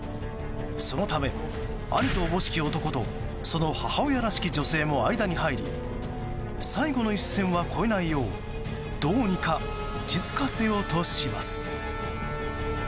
そのため、兄とおぼしき男とその母親らしき女性も間に入り最後の一線は越えないようどうにか落ち着かせようとします。